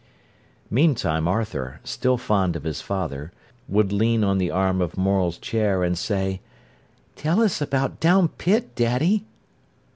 Meantime Arthur, still fond of his father, would lean on the arm of Morel's chair and say: "Tell us about down pit, daddy."